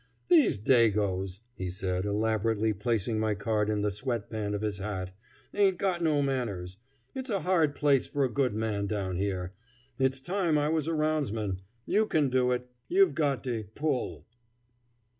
"These dagoes," he said, elaborately placing my card in the sweat band of his hat, "ain't got no manners. It's a hard place for a good man down here. It's time I was a roundsman. You can do it. You've got de 'pull.'"